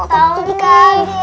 aku tuh juga kaget